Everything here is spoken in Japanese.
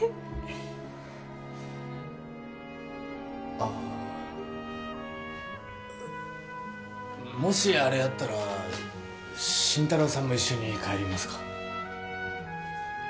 ああもしアレやったら新太郎さんも一緒に帰りますか？